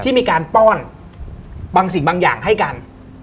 ที่มีการป้อนบางสิ่งบางอย่างให้กัน